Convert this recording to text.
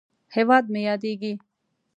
هېواد مې یادیږې!